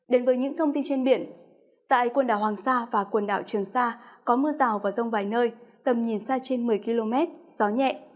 đến với những thông tin trên biển tại quần đảo hoàng sa và quần đảo trường sa có mưa rào và rông vài nơi tầm nhìn xa trên một mươi km gió nhẹ